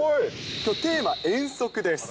きょう、テーマ、遠足です。